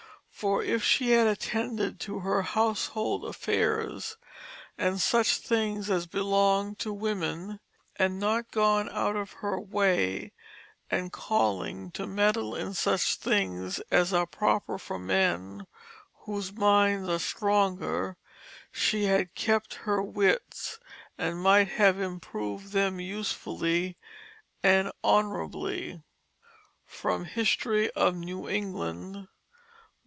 For if she had attended to her household affairs, and such things as belong to women, and not gone out of hir way and calling to meddle in such things as are proper for men whose minds are stronger, she had kept hir Wits, and might have improved them usefully and honorably._ History of New England.